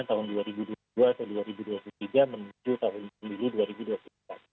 tahun dua ribu dua puluh dua atau dua ribu dua puluh tiga menuju tahun pemilu dua ribu dua puluh empat